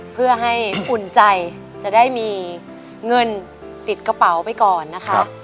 เพื่อให้อุ่นใจจะได้มีเงินติดกระเป๋าไปก่อนนะคะ